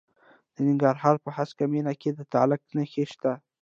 د ننګرهار په هسکه مینه کې د تالک نښې شته.